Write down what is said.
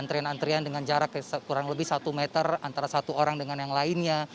antrian antrian dengan jarak kurang lebih satu meter antara satu orang dengan yang lainnya